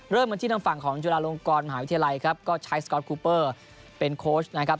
เริ่มกันที่ทางฝั่งของจุฬาลงกรมหาวิทยาลัยครับก็ใช้สก๊อตคูเปอร์เป็นโค้ชนะครับ